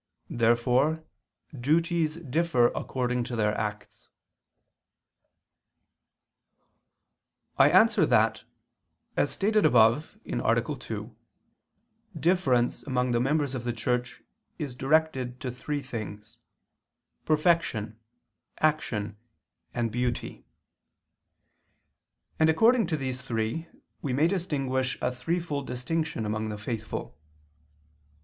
Therefore duties differ according to their acts. I answer that, As stated above (A. 2), difference among the members of the Church is directed to three things: perfection, action, and beauty; and according to these three we may distinguish a threefold distinction among the faithful.